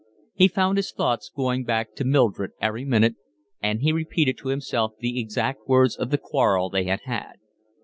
He found his thoughts going back to Mildred every minute, and he repeated to himself the exact words of the quarrel they had had.